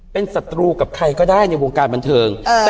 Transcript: เป็นศัตรูกับใครก็ได้ในวงการบันเทิง